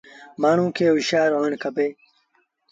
مآڻهوٚݩ کي هوشآر هوڻ کپي۔